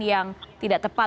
yang tidak tepat